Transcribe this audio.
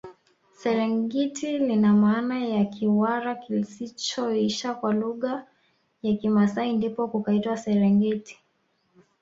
Serengiti lina maana ya Kiwara kisichoisha kwa lugha hiyo ya kimasai ndipo kukaitwa serengeti